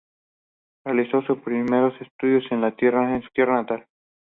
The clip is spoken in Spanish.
Realizó sus primeros estudios en su tierra natal.